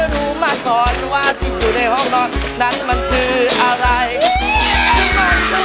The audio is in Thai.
ร้อง